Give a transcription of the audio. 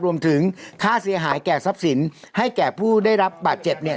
รวมถึงค่าเสียหายแก่ทรัพย์สินให้แก่ผู้ได้รับบาดเจ็บเนี่ย